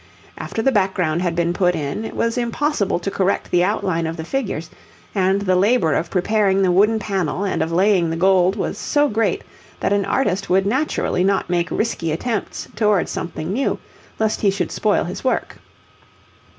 After the background had been put in, it was impossible to correct the outline of the figures, and the labour of preparing the wooden panel and of laying the gold was so great that an artist would naturally not make risky attempts towards something new, lest he should spoil his work.